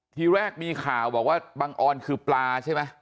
ทีแรกมีข่าวบอกว่าบังออนคือปลาใช่ไหม